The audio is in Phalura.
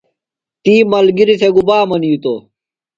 تی ملگِریۡ تھےۡ گُبا منِیتوۡ؟